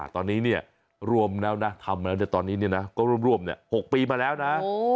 ตอนนี้เนี่ยรวมแล้วนะทำแล้วตอนนี้เนี่ยนะก็รวม๖ปีมาแล้วนะ